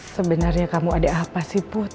sebenarnya kamu ada apa sih put